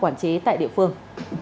quản chế tại địa phương